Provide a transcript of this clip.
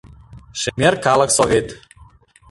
Шемер калык Совет!